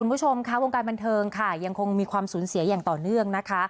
คุณผู้ชมค่ะวงการบันเทิงค่ะยังคงมีความสูญเสียอย่างต่อเนื่องนะคะ